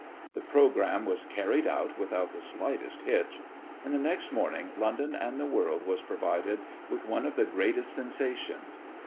The programme was carried out without the slightest hitch, and the next morning London and the world was provided with one of its greatest sensations.